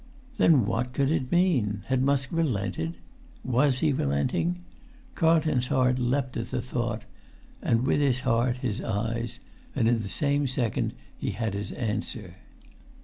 Then what could it mean? Had Musk relented? Was he relenting? Carlton's heart leapt at the thought, and with his heart his eyes; and in the same second he had his answer.